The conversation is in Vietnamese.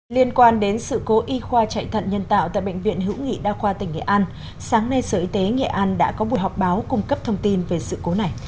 liên quan đến sự cố y khoa chạy thận nhân tạo tại bệnh viện hữu nghị đa khoa tỉnh nghệ an sáng nay sở y tế nghệ an đã có buổi họp báo cung cấp thông tin về sự cố này